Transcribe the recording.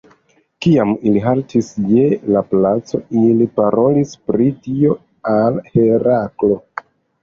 Kiam ili haltis je la palaco, ili parolis pri tio al Heraklo.